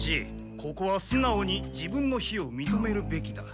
ここはすなおに自分の非をみとめるべきだ。